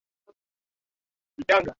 na anaona hiyo ni hatua sahihi katika kupata